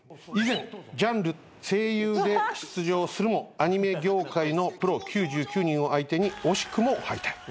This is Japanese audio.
以前ジャンル「声優」で出場するもアニメ業界のプロ９９人を相手に惜しくも敗退。